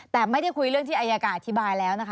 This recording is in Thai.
แต่ไม่ได้คุยเรื่องที่อายการอธิบายแล้วนะคะ